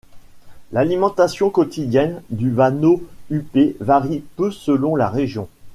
L'alimentation quotidienne du vanneau huppé varie peu selon la région.